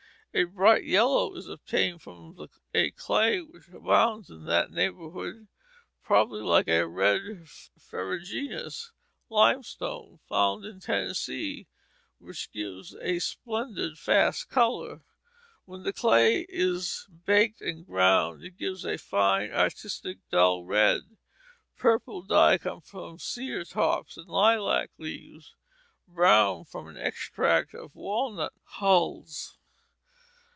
A bright yellow is obtained from a clay which abounds in that neighborhood, probably like a red ferruginous limestone found in Tennessee, which gives a splendid, fast color; when the clay is baked and ground it gives a fine, artistic, dull red. Purple dye comes from cedar tops and lilac leaves; brown from an extract of walnut hulls.